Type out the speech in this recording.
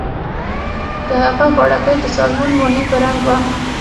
د هغه غاړه کۍ د سالمون ماهي په رنګ وه